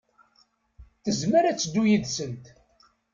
Tezmer ad teddu yid-sent.